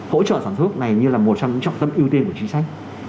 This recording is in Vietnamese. hỗ trợ sản xuất này như là một trong những trọng tâm ưu tiên của chính sách